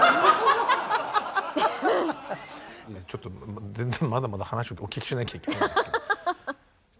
ちょっと全然まだまだ話をお聞きしなきゃいけないんです。